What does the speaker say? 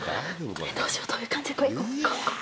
どうしようどういう感じ？